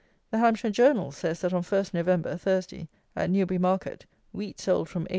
The Hampshire Journal says that, on 1 November (Thursday) at Newbury Market, wheat sold from 88_s.